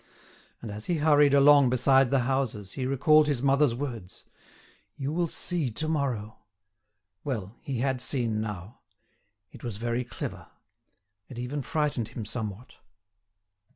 And as he hurried along beside the houses he recalled his mother's words: "You will see to morrow!" Well, he had seen now; it was very clever; it even frightened him somewhat.